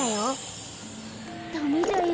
ダメだよ。